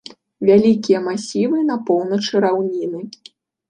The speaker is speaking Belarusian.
Вялікія масівы на поўначы раўніны.